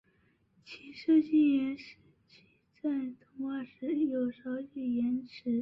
其设计也使其在通话时有少许延迟。